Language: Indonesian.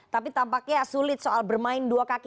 tapi tampaknya sulit soal bermain dua kaki